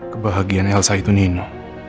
kebahagiaan elsa itu nino